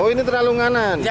oh ini terlalu kanan